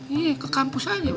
iya ke kampus aja